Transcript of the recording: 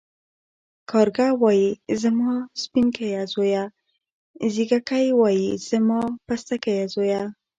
کارگه وايي زما سپينکيه زويه ، ځېږگى وايي زما پستکيه زويه.